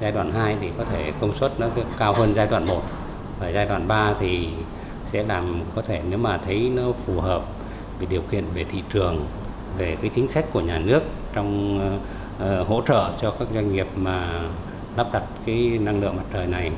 giai đoạn hai thì có thể công suất nó cao hơn giai đoạn một và giai đoạn ba thì sẽ làm có thể nếu mà thấy nó phù hợp với điều kiện về thị trường về cái chính sách của nhà nước trong hỗ trợ cho các doanh nghiệp mà lắp đặt năng lượng mặt trời này